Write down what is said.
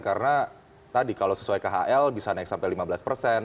karena tadi kalau sesuai khl bisa naik sampai lima belas persen